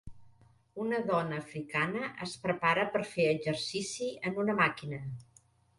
Una dona africana es prepara per fer exercici en una màquina.